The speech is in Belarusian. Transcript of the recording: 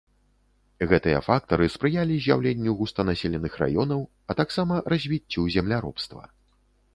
Гэтыя фактары спрыялі з'яўленню густанаселеных раёнаў, а таксама развіццю земляробства.